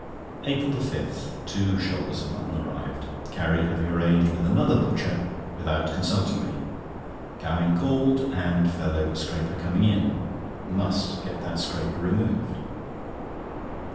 APRIL 5.—Two shoulders of mutton arrived, Carrie having arranged with another butcher without consulting me. Gowing called, and fell over scraper coming in. Must get that scraper removed.